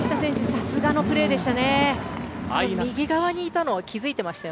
さすがのプレーでした。